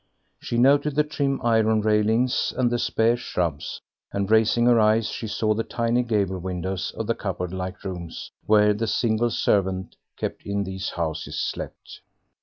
She noted the trim iron railings and the spare shrubs, and raising her eyes she saw the tiny gable windows of the cupboard like rooms where the single servant kept in these houses slept.